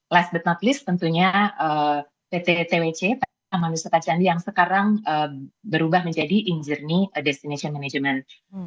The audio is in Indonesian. last but not least tentunya pt twc pt taman wisata candi yang sekarang berubah menjadi injourney destination management